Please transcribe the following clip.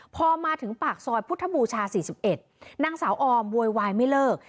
พอมาถึงปากซอยพุทธบูชา๔๑นางสาวออมโวยวายไม่เลิก